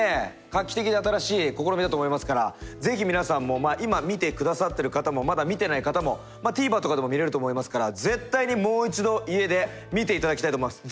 画期的で新しい試みだと思いますから是非皆さんも今見て下さってる方もまだ見てない方もＴＶｅｒとかでも見れると思いますから絶対にもう一度家で見て頂きたいと思います。